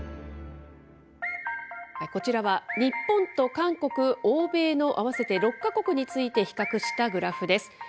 こちらは日本と韓国、欧米の合わせて６か国について比較したグラフです。